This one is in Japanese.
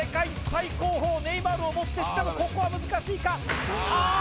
最高峰ネイマールをもってしてもここは難しいかああ